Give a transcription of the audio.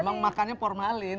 emang makannya formalin